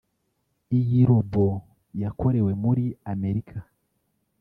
Iyi Robo yakorewe muri Amerika